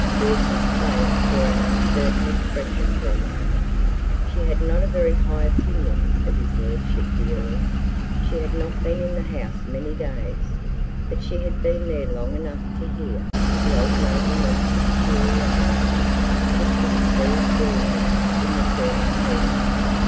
Dawson's face wore an uncertain expression for a moment. She had not a very high opinion of his lordship the Earl. She had not been in the house many days, but she had been there long enough to hear the old nobleman's peculiarities discussed very freely in the servants' hall.